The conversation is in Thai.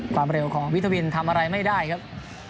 ความเร็วของวิทวินทำอะไรไม่ได้ครับ